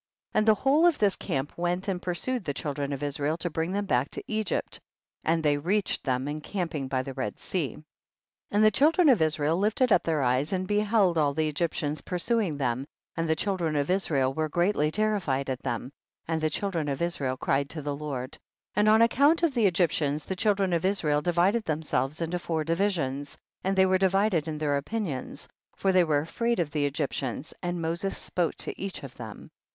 24. And the whole of this camp went and pursued the children of Is rael to bring them back to Egypt, and they reached them encamping by the Red Sea. 25. And the children of Israel lift ed up their eyes, and beheld all the Egyptians pursuing them, and the children of Israel were greatly terri fied at them, and the children of Is rael cried to the Lord. 26. And on account of the Egyp tians, the children of Israel divided themselves into four divisions, and they were divided in their opinions, for they were afraid of the Egyptians, and Moses spoke to each of them.